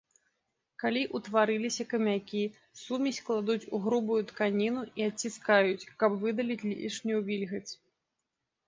Калі ўтварыліся камякі, сумесь кладуць у грубую тканіну і адціскаюць, каб выдаліць лішнюю вільгаць.